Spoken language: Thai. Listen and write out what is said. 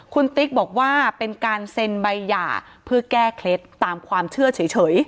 คุณติ๊กบอกว่าเป็นการเซ็นใบหย่าเพื่อแก้เคล็ดตามความเชื่อเฉย